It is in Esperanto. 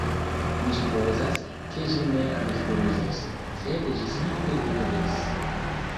Mi supozas, ke ĝi ne rifuzis, sed ĝi simple diris: